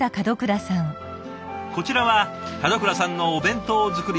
こちらは門倉さんのお弁当作り